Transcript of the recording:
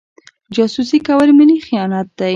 جاسوسي کول ملي خیانت دی.